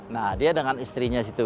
nah dia dengan istrinya situ